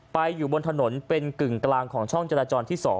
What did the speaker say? อยู่บนถนนเป็นกึ่งกลางของช่องจราจรที่๒